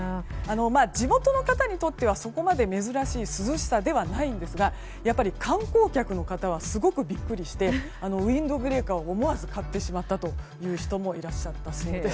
地元の方にとっては、そこまで珍しい涼しさではないですがやっぱり観光客の方はすごくビックリしてウィンドブレーカーを思わず買ってしまったという人もいらっしゃったそうです。